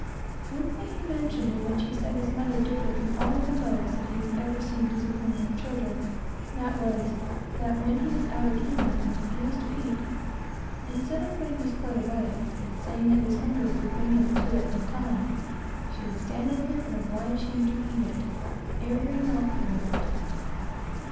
One thing he often mentioned, in which he said his mother differed from all other mothers that he had ever seen disciplining their children; that was, that when he was out of humor and refused to eat, instead of putting his plate away, as most mothers would, and saying that his hunger would bring him to it, in time, she would stand over him and oblige him to eat it every mouthful of it.